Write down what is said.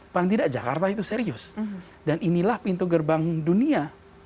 paling tidak jakarta itu serius dan inilah pintu gerbang dunia